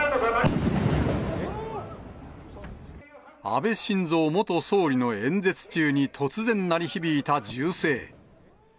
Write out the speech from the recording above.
安倍晋三元総理の演説中に突然、鳴り響いた銃声。